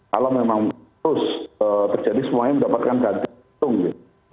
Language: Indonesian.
kalau memang terus terjadi semuanya mendapatkan ganti untung gitu